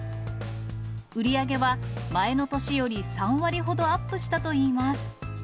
売り上げは、前の年より３割ほどアップしたといいます。